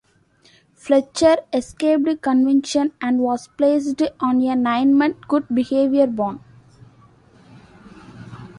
Fletcher escaped conviction and was placed on a nine-month good behaviour bond.